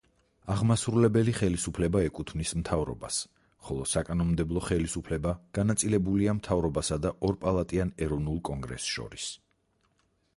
აღმასრულებელი ხელისუფლება ეკუთვნის მთავრობას, ხოლო საკანონმდებლო ხელისუფლება განაწილებულია მთავრობასა და ორპალატიან ეროვნულ კონგრესს შორის.